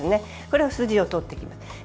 これは筋を取っておきます。